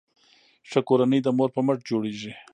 ښه کورنۍ د مور په مټ جوړیږي.